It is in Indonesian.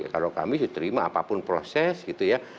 kalau kami terima apapun proses gitu ya